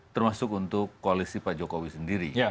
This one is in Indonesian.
termasuk untuk koalisi pak jokowi sendiri